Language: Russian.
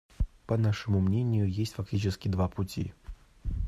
По нашему мнению, есть фактически два пути.